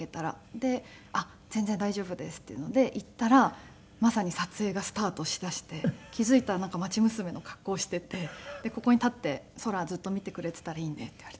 で全然大丈夫ですっていうので行ったらまさに撮影がスタートしだして気付いたら町娘の格好をしていて「ここに立って空ずっと見てくれていたらいいんで」って言われて。